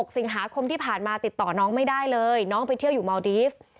สิงหาคมที่ผ่านมาติดต่อน้องไม่ได้เลยน้องไปเที่ยวอยู่เมาดีฟ